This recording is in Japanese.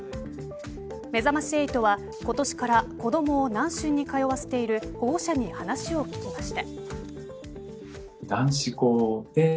めざまし８は今年から子どもを楠隼に通わせている保護者に話を聞きました。